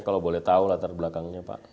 kalau boleh tahu latar belakangnya pak